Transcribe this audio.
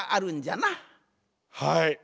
はい。